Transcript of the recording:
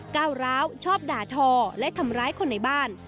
ก้าวร้าวชอบด่าทอและทำร้ายคนในบ้าน